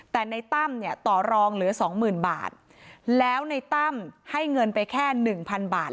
แต่ในตั้มเนี่ยต่อรองเหลือสองหมื่นบาทแล้วในตั้มให้เงินไปแค่หนึ่งพันบาท